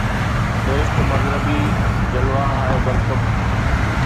بهشت مغربي جلوه هاي برکب